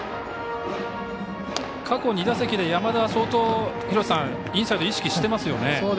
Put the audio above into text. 過去２打席で、山田は相当インサイド意識してますよね。